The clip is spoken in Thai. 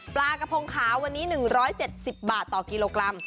ปลากระพงขาววันนี้๑๗๐บาทต่อกิโลกรัม